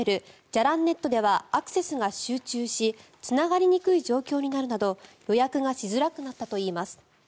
じゃらんｎｅｔではアクセスが集中しつながりにくい状況になるなど予約がしづらくなったといいます。